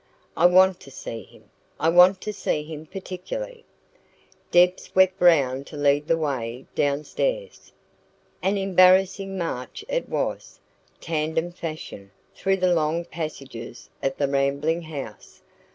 "I want to see him I want to see him particularly." Deb swept round to lead the way downstairs. An embarrassing march it was, tandem fashion, through the long passages of the rambling house.